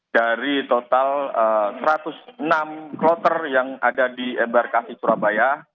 dari total satu ratus enam kloter yang ada di embarkasi surabaya